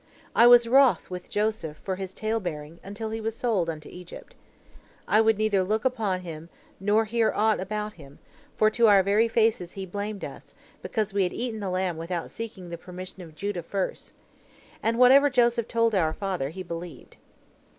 I was wroth with Joseph for his talebearing, until he was sold into Egypt. I would neither look upon him nor hear aught about him, for to our very faces he, blamed us, because we had eaten the lamb without seeking the permission of Judah first. And whatever Joseph told our father, he believed.